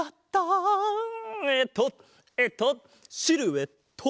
えっとえっとシルエット！